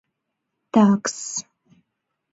Так-с!